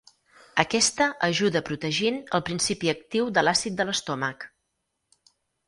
Aquesta ajuda protegint el principi actiu de l'àcid de l'estómac.